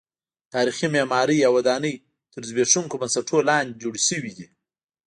تاریخي معمارۍ او ودانۍ تر زبېښونکو بنسټونو لاندې جوړې شوې دي.